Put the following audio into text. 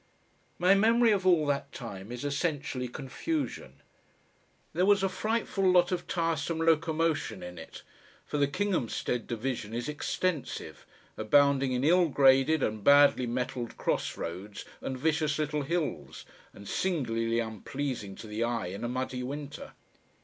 My memory of all that time is essentially confusion. There was a frightful lot of tiresome locomotion in it; for the Kinghamstead Division is extensive, abounding in ill graded and badly metalled cross roads and vicious little hills, and singularly unpleasing to the eye in a muddy winter.